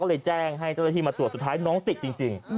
เลยแจ้งให้เจ้าหน้าที่มาตรวจสุดท้ายน้องติดจริง